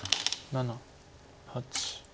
７８。